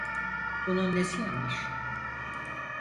Bunun nesi yanlış?